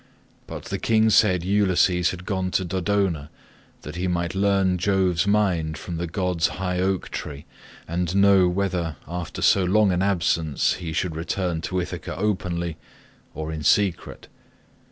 But the king said Ulysses had gone to Dodona that he might learn Jove's mind from the god's high oak tree, and know whether after so long an absence he should return to Ithaca openly, or in secret.